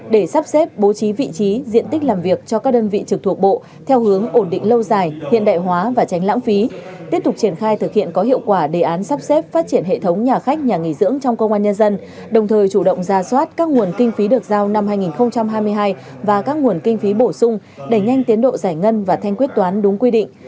để sắp xếp bố trí vị trí diện tích làm việc cho các đơn vị trực thuộc bộ theo hướng ổn định lâu dài hiện đại hóa và tránh lãng phí tiếp tục triển khai thực hiện có hiệu quả đề án sắp xếp phát triển hệ thống nhà khách nhà nghỉ dưỡng trong công an nhân dân đồng thời chủ động ra soát các nguồn kinh phí được giao năm hai nghìn hai mươi hai và các nguồn kinh phí bổ sung đẩy nhanh tiến độ giải ngân và thanh quyết toán đúng quy định